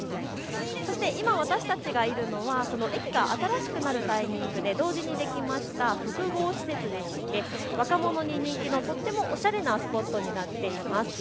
そして今、私たちがいるのはその駅が新しくなるタイミングで同時にできました複合施設でして若者に人気のとってもおしゃれなスポットになっています。